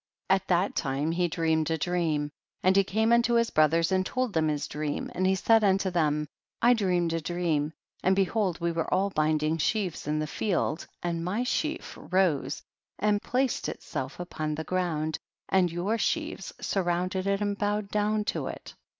10. At that time he dreamed a dream, and he came unto his brothers and told them his dream, and he said unto them, I dreamed a dream, and behold we were all binding sheaves in the field, and my sheaf rose and placed itself upon the ground and your sheaves surrounded it and bowed down to it.